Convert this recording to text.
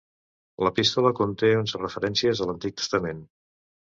L'epístola conté onze referències a l'Antic Testament.